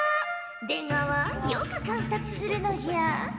出川よく観察するのじゃ。